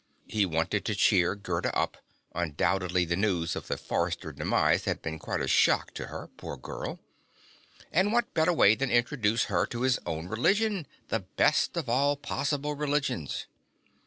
He wanted to cheer Gerda up (undoubtedly the news of the Forrester demise had been quite a shock to her, poor girl), and what better way than to introduce her to his own religion, the best of all possible religions?